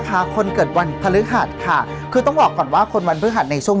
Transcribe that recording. คนเกิดวันพฤหัสค่ะคือต้องบอกก่อนว่าคนวันพฤหัสในช่วง